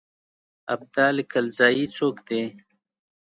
ابدال کلزايي څوک دی.